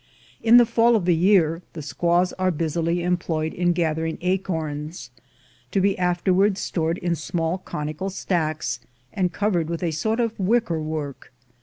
In the fall of the year the squaws are busily employed in gathering acorns, to be afterwards stored in small conical stacks, and covered with a sort of wicker work.